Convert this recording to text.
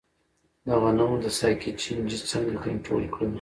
د غنمو د ساقې چینجی څنګه کنټرول کړم؟